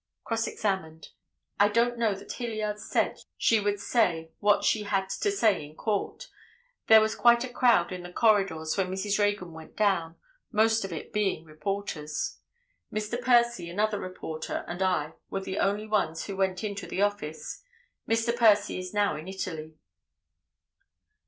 Cross examined—"I don't know that Hilliard said she would say what she had to say in court; there was quite a crowd in the corridors when Mrs. Reagan went down, most of it being reporters; Mr. Percy, another reporter and I were the only ones who went into the office; Mr. Percy is now in Italy."